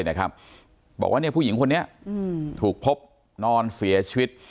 บอกว่าผู้หญิงคนนี้ถูกพบนอนเสียชีวิต